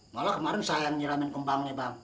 malah kemarin sayang nyiramin kembangnya bang